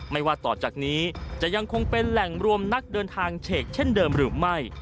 ว่าต่อจากนี้จะยังคงเป็นแหล่งรวมนักเดินทางเฉกเช่นเดิมหรือไม่